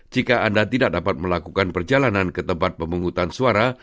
jika anda tidak dapat melakukan perjalanan ke tempat pemungutan suara